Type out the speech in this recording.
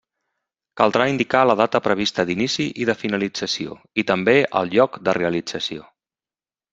Caldrà indicar la data prevista d'inici i de finalització, i també el lloc de realització.